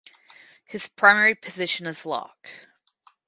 His primary position is lock.